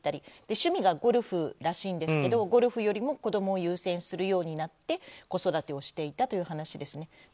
趣味がゴルフらしいんですがゴルフよりも子供を優先するようになって子育てをしていたという話でした。